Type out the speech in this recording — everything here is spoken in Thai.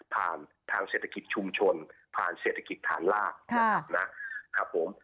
ผ่านศัตริคชุมชนผ่านเศรษฐกิจฐานลากนะครับ